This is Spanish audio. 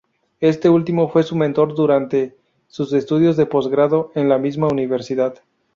Este último fue su mentor durante sus estudios de posgrado en la misma universidad.